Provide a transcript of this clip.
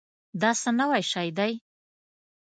دا څه نوي شی دی؟